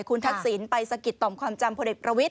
คุณทักษิณไปสะกิดต่อมความจำพลเอกประวิทย